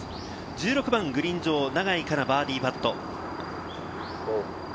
１６番グリーン上、永井花奈、バーディーパット。